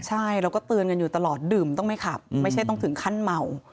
ใช่เราก็เตือนกันอยู่ตลอดดื่มต้องไม่ขับไม่ใช่ต้องถึงขั้นเมา